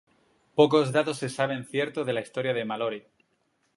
Pocos datos se saben ciertos de la historia de Malory.